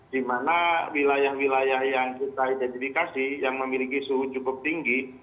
di mana wilayah wilayah yang kita identifikasi yang memiliki suhu cukup tinggi